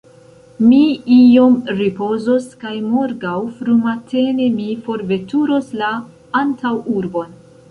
Mi iom ripozos kaj morgaŭ frumatene mi forveturos la antaŭurbon.